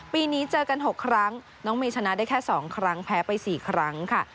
ปีนี้เจอกัน๖ครั้งน้องเมย์ชนะได้แค่๒ครั้งแพ้ไป๔ครั้งค่ะ